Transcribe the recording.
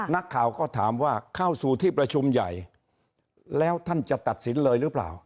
นักข่าวก็ถามว่าเข้าสู่ที่ประชุมใหญ่แล้วท่านจะตัดสินเลยหรือเปล่า